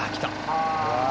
はあ。